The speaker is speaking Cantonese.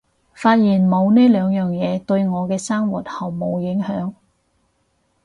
發現冇咗呢兩樣嘢對我嘅生活毫無影響